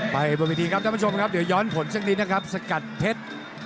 ไปบริธีครับดังนั้นเดี๋ยวย้อนผลซะกัดเพชร